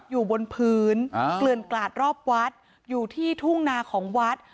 อยู่บนพื้นเกลื่อนกลาดรอบวัดอยู่ที่ทุ่งนาของวัด